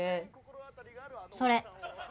それ！